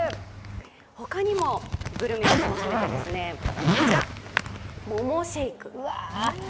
ほかにもグルメを楽しめてですね、こちら、ももシェイク。